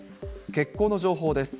欠航の情報です。